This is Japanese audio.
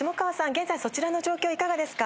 現在そちらの状況いかがですか？